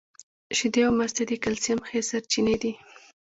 شیدې او مستې د کلسیم ښې سرچینې دي